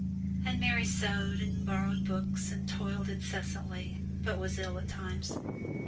And Mary sewed and borrowed books and toiled incessantly, but was ill at times.